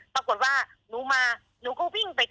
ปรากฏว่าหนูมา